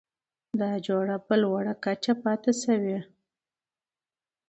دا جوړه په لوړه کچه پاتې شوه؛